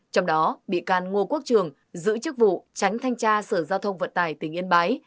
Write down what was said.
trong đó bị can ngô quốc trường giữ chức vụ tránh thanh tra sở giao thông vận tài tỉnh yên bái